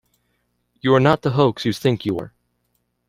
You're not the hoax you think you are.